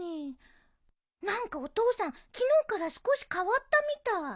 何かお父さん昨日から少し変わったみたい。